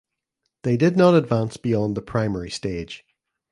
They did not advance beyond the primary stage.